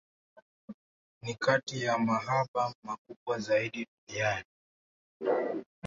Ni kati ya mabamba makubwa zaidi duniani.